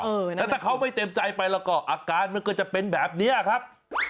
แล้วถ้าเขาไม่เต็มใจไปแล้วก็อาการมันก็จะเป็นแบบนี้ครับ